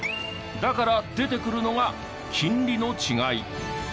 だから出てくるのが金利の違い。